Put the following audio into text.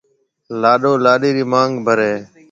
لاڏو لاڏِي رِي مانگ ڀرَي ھيََََ